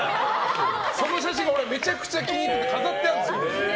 その写真が俺めちゃくちゃ気に入ってて飾ってあるんですよ。